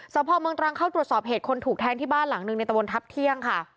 พ่อเมืองตรังเข้าตรวจสอบเหตุคนถูกแทงที่บ้านหลังหนึ่งในตะบนทัพเที่ยงค่ะ